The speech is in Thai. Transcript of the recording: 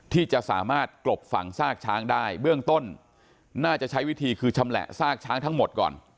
ที่จะสามารถกลบฝั่งซากช้างได้เบื้องต้นน่าจะใช้วิธีคือชำแหละซากช้างทั้งหมดก่อน